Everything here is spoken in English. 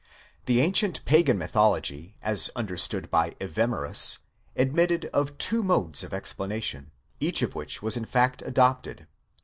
The ancient pagan mythology, as understood by Evemerus, admitted of two modes of explanation, each of which was in fact adopted.